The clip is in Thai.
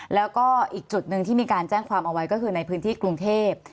แล้วก็อีกจุดหนึ่งที่มีการแจ้งความเอาไว้ก็คือในพื้นที่กรุงเทพ